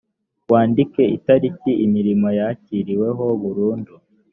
wandike itariki imirimo yakiriweho burundu